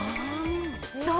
［そう。